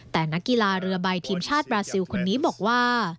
แต่นักกีฬาเรือใบทีมชาติบราซิลคนนี้บอกว่า